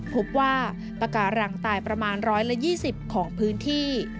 พบว่าปากการังตายประมาณ๑๒๐ของพื้นที่